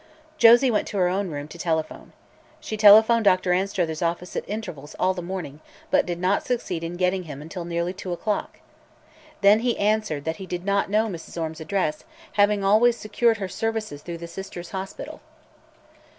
Josie went to her own room to telephone. She telephoned Dr. Anstruther's office at intervals all the morning, but did not succeed in getting him until nearly two o'clock. Then he answered that he did not know Mrs. Orme's address, having always secured her services through the Sisters' Hospital.